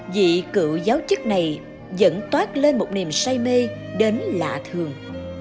dị cựu giáo chức này dẫn toát lên một niềm say mê đến lạ thường